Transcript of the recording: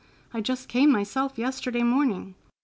I just came myself yesterday morning.